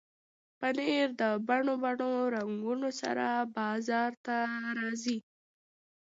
پنېر د بڼو بڼو رنګونو سره بازار ته راځي.